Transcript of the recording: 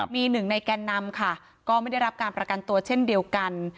มีหนึ่งในแกนนำค่ะก็ไม่ได้รับการประกันตัวเช่นเดียวกัน